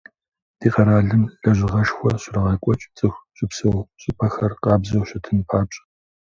Ди къэралым лэжьыгъэшхуэ щрагъэкӀуэкӀ, цӀыху щыпсэу щӀыпӀэхэр къабзэу щытын папщӀэ.